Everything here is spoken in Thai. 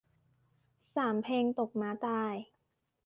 สามเพลงตกม้าตาย